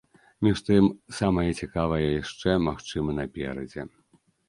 Між тым, самае цікавае яшчэ, магчыма, наперадзе.